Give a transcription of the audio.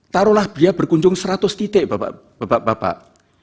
taruhlah dia berkunjung seratus titik bapak bapak